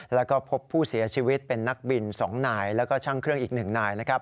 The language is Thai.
แล้วก็พบผู้เสียชีวิตเป็นนักบิน๒นายแล้วก็ช่างเครื่องอีก๑นายนะครับ